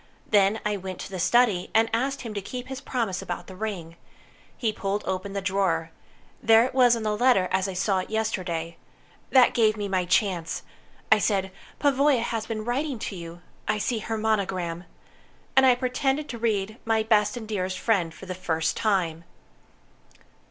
Then I went to the study, and asked him to keep his promise about the ring. He pulled open the drawer. There it was on the letter, as I saw it yesterday. That gave me my chance. I said, 'Pavoya has been writing to you. I see her monogram.' And I pretended to read, 'My Best and Dearest Friend', for the first time."